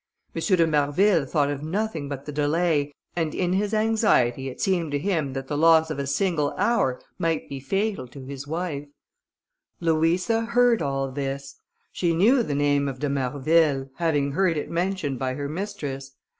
M. de Marville thought of nothing but the delay, and in his anxiety it seemed to him that the loss of a single hour might be fatal to his wife. Louisa heard all this; she knew the name of de Marville, having heard it mentioned by her mistress.